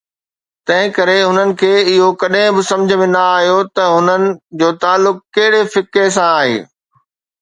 تنهن ڪري هنن کي اهو ڪڏهن به سمجهه ۾ نه آيو ته هنن جو تعلق ڪهڙي فقه سان آهي.